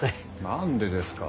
何でですか。